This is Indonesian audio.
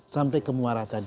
sampai ke muara tadi